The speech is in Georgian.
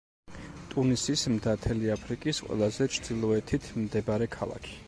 ტუნისის და მთელი აფრიკის ყველაზე ჩრდილოეთით მდებარე ქალაქი.